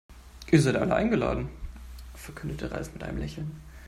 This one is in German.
Ihr seid alle eingeladen, verkündete Ralf mit einem Lächeln.